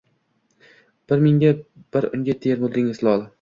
Bir menga, bir unga termuldingiz lol.